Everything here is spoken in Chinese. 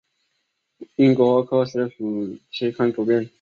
英国科学史期刊主编。